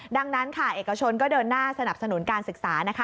ดังนั้นค่ะเอกชนก็เดินหน้าสนับสนุนการศึกษานะคะ